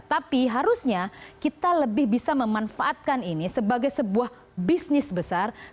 tapi harusnya kita lebih bisa memanfaatkan ini sebagai sebuah bisnis besar